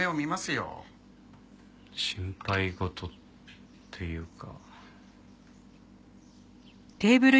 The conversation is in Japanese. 心配事っていうか。